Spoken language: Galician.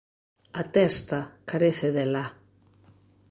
A testa carece de la.